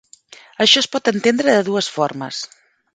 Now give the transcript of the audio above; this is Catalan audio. Això es pot entendre de dues formes.